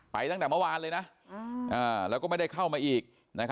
ตั้งแต่เมื่อวานเลยนะแล้วก็ไม่ได้เข้ามาอีก